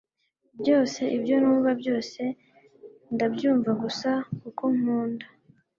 Byose, ibyo numva byose, ndabyumva gusa kuko nkunda.”